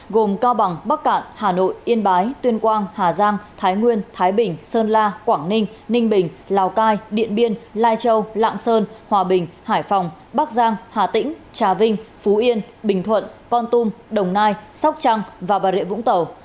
gồm cao bằng bắc cạn hà nội yên bái tuyên quang hà giang thái nguyên thái bình sơn la quảng ninh ninh bình lào cai điện biên lai châu lạng sơn hòa bình hải phòng bắc giang hà tĩnh trà vinh phú yên bình thuận con tum đồng nai sóc trăng và bà rịa vũng tàu